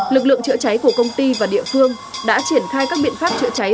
lực lượng chữa cháy của công ty và địa phương đã triển khai các biện pháp chữa cháy